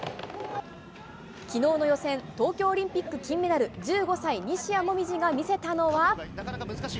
きのうの予選、東京オリンピック金メダル、１５歳、西矢椛が見せたのは。